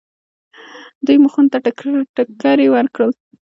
دوی مخونو ته ټکرې ورکړل.